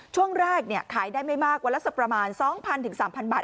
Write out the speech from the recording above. ช่วงแรกเนี่ยขายได้ไม่มากว่าละสักประมาณสองพันถึงสามพันบาท